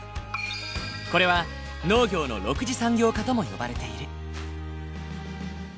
これは農業の６次産業化とも呼ばれている。